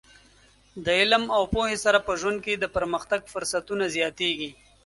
د علم او پوهې سره په ژوند کې د پرمختګ فرصتونه زیاتېږي.